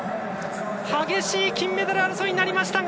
激しい金メダル争いになりましたが！